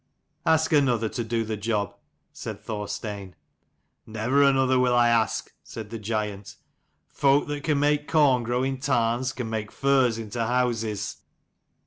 "Ask another to do the job," said Thorstein. " Never another will I ask," said the giant: "folk that can make corn grow in tarns, can make firs into houses."